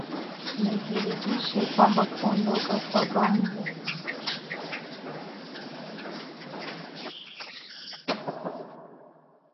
nijiridhishe kwamba kuondoka kwa bagbo